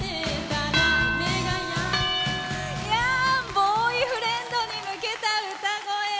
ボーイフレンドに向けた歌声。